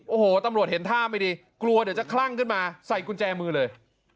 โอ้โหตำรวจเห็นท่าไม่ดีกลัวเดี๋ยวจะคลั่งขึ้นมาใส่กุญแจมือเลย